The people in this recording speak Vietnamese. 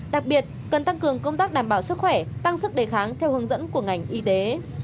đặc biệt cần tăng cường công tác đảm bảo sức khỏe tăng sức đề kháng theo hướng dẫn của ngành y tế